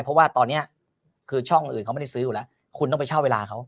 เพราะว่าตอนนี้คือช่องอื่นเขาไม่ได้ซื้ออยู่แล้วคุณต้องไปเช่าเวลาเขา